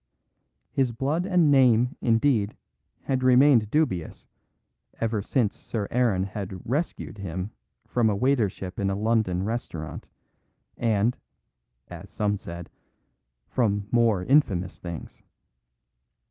His blood and name, indeed, had remained dubious, ever since Sir Aaron had "rescued" him from a waitership in a London restaurant, and (as some said) from more infamous things.